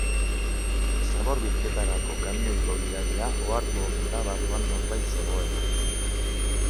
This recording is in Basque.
Zabor bilketarako kamioiko gidaria ohartu omen da barruan norbait zegoela.